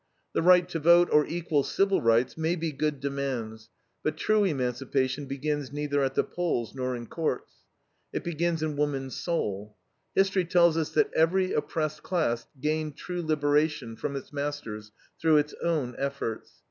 The right to vote, or equal civil rights, may be good demands, but true emancipation begins neither at the polls nor in courts. It begins in woman's soul. History tells us that every oppressed class gained true liberation from its masters through its own efforts.